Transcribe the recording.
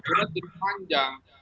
karena itu panjang